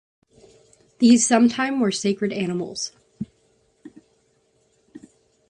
These sometimes were sacred animals.